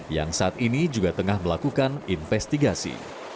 yang saat ini juga tengah melakukan investigasi